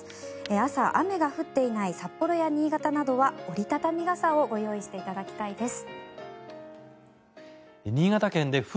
朝、雨が降っていない札幌や新潟などは折り畳み傘をご用意していただきたいです。